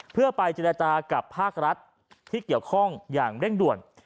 เพื่อไปเจรจากับภาครัฐที่เกี่ยวข้องอย่างเร่งด่วน